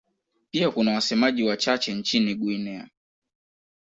Pia kuna wasemaji wachache nchini Guinea.